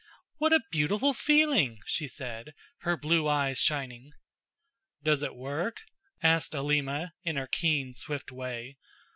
"What a beautiful feeling!" she said, her blue eyes shining. "Does it work?" asked Alima, in her keen, swift way.